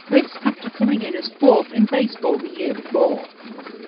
This after coming in as fourth in baseball the year before.